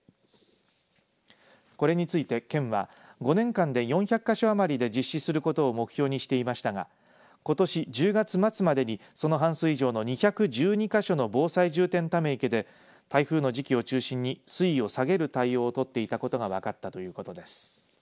これについて県は５年間で４００か所余りで実施すること目標にしていましたがことし１０月末までにその半数以上の２１２か所の防災重点ため池で台風の時期を中心に水位を下げる対応をとっていたことが分かったということです。